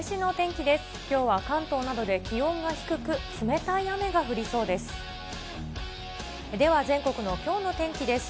きょうは関東などで気温が低く、冷たい雨が降りそうです。